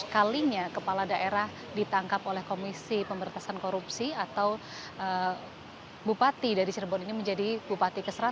kalinya kepala daerah ditangkap oleh komisi pemberantasan korupsi atau bupati dari cirebon ini menjadi bupati ke seratus